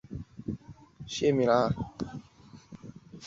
他在认信文中对于新教做出一些让步。